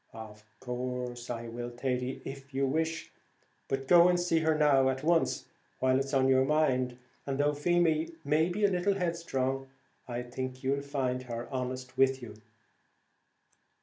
"Of course I will, Thady, if you wish it; but go and see her now at once, while it's on your mind, and though Feemy may be a little headstrong, I think you'll find her honest with you."